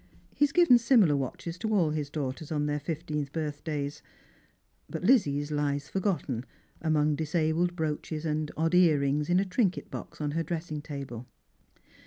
He has given similar watches to all his daughters on their fifteenth birthdays; but Lizzie's lies forgotten amongst disabled brooches and odd earrings in a trinket box on her dressing table.